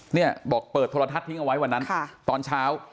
เนี่ยบอกเปิดโทรทัศน์ทิ้งเอาไว้วันนั้นตอนเช้า